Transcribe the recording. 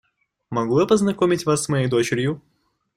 Могу я познакомить вас с моей дочерью?